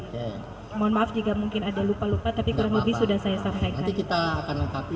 mohon maaf juga mungkin ada lupa lupa tapi kurang lebih sudah saya sampaikan kita akan lengkapi